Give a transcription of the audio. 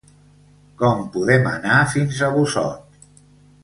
Com podem anar fins a Busot?